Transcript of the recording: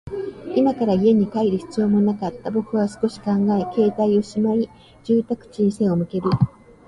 今から家に帰る必要もなかった。僕は少し考え、携帯をしまい、住宅地に背を向ける。